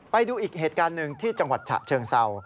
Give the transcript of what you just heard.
ไปดูอีกเหตุการณ์หนึ่งที่จังหวัดเช่า